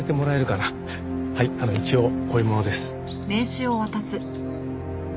はいあの一応こういう者です。